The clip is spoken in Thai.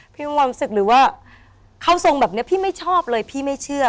มีความรู้สึกหรือว่าเข้าทรงแบบนี้พี่ไม่ชอบเลยพี่ไม่เชื่อ